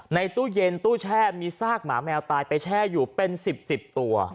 ตู้เย็นตู้แช่มีซากหมาแมวตายไปแช่อยู่เป็น๑๐๑๐ตัว